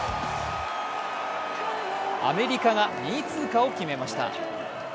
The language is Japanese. アメリカが２位通過を決めました。